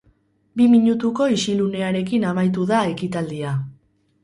Bi minutuko isilunearekin amaitu da ekitaldia.